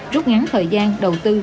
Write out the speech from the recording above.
rút ngắn thời gian đầu tư